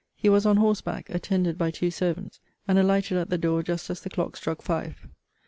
He was on horseback, attended by two servants, and alighted at the door just as the clock struck five.